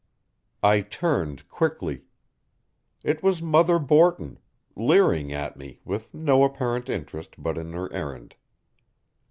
I turned quickly. It was Mother Borton, leering at me with no apparent interest but in her errand.